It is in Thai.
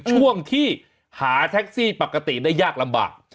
ช่วงที่หาแท็กซี่ปกติได้ยากลำบาก